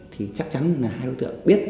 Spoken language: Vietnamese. thì chắc chắn là hai đối tượng biết